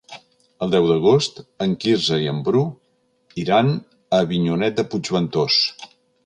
El deu d'agost en Quirze i en Bru iran a Avinyonet de Puigventós.